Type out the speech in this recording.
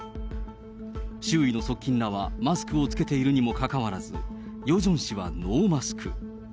周囲の側近らはマスクを着けているにもかかわらず、ヨジョン氏はノーマスク。